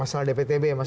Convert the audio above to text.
masalah dptb ya mas